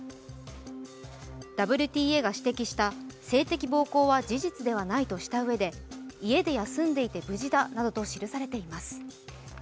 ＷＴＡが指摘した性的暴行は事実ではないとしたうえで家で休んでいて無事だなどと記されています。